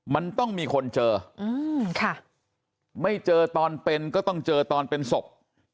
มันต้องมีคนเจอไม่เจอตอนเป็นก็ต้องเจอตอนเป็นศพ